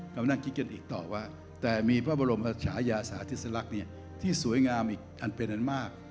กำลังนั่งคิดกันอีกต่อว่าแต่มีพระบรมชายาสาธิสลักษณ์ที่สวยงามอีกอันเป็นอันมาก